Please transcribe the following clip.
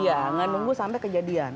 iya gak nunggu sampai kejadian